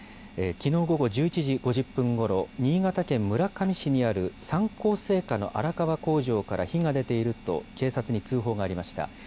きのう午後１１時５０分ごろ、新潟県村上市にある三幸製菓の荒川工場から火が出ていると、警察に通報がありました。